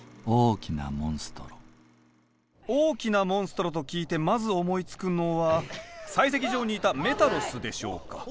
大きなモンストロと聞いてまず思いつくのは採石場にいたメタロスでしょうか。